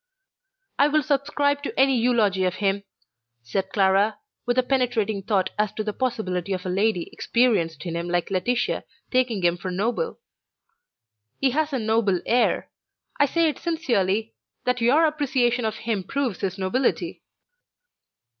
"I will subscribe to any eulogy of him," said Clara, with a penetrating thought as to the possibility of a lady experienced in him like Laetitia taking him for noble. "He has a noble air. I say it sincerely, that your appreciation of him proves his nobility."